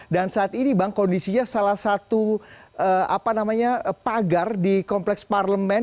dan saat ini bang kondisinya salah satu pagar di kompleks parlemen